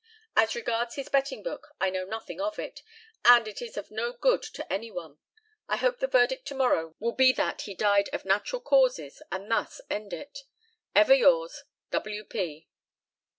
As regards his betting book, I know nothing of it, and it is of no good to any one. I hope the verdict to morrow will be that he died of natural causes, and thus end it. "Ever yours, "W.P."